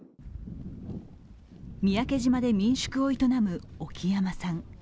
三宅島で民宿を営む沖山さん。